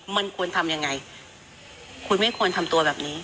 มันควรทำยังไงคุณไม่ควรทำตัวแบบนี้